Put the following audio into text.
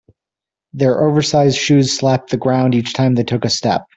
Their oversized shoes slapped the ground each time they took a step.